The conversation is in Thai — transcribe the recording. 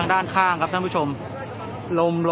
มันก็ไม่ต่างจากที่นี่นะครับ